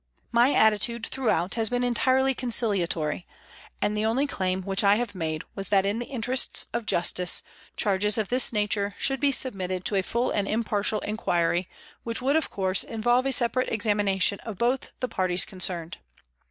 My attitude throughout has been entirely conciliatory, and the only claim which I have made was that in the interesto of justice, charges of this nature should be submitted to a full and impartial inquiry which would, of course, involve a separate examination of both the parties concerned.